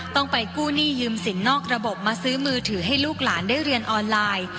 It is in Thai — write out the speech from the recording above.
ต้องไปกู้หนี้ยืมสินนอกระบบมาซื้อมือถือให้ลูกหลานได้เรียนออนไลน์